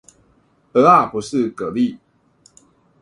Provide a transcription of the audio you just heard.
蚵仔不是蛤蠣